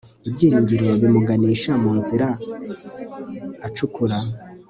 ibyiringiro bimuganisha munzira acukura